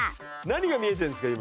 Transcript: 何が見えてるんですか？